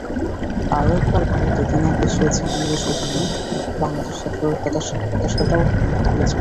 আরও একবার ভারতে তিন অঙ্ক ছুঁয়েছেন ইংলিশ অধিনায়ক, বাংলাদেশ সফরের হতাশাটাও ভুলেছেন।